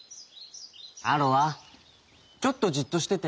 「アロアちょっとじっとしてて」。